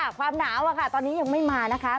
ความหนาวอะค่ะตอนนี้ยังไม่มานะคะ